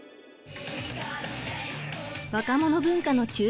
若者文化の中心地